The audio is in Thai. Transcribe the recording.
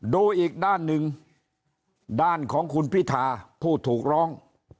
ดูอีกด้านหนึ่งด้านของคุณพิธาผู้ถูกร้อง